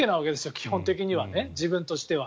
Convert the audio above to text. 基本的には、自分としては。